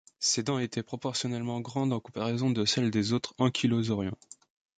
Ces dents étaient proportionnellement grandes en comparaison de celles des autres ankylosauriens.